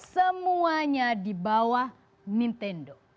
semuanya di bawah nintendo